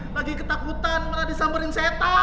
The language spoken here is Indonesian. lagi ketakutan meradi samberin setan